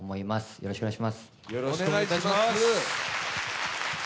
よろしくお願いします。